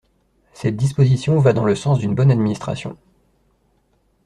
Cette disposition va dans le sens d’une bonne administration.